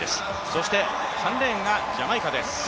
そして３レーンがジャマイカです。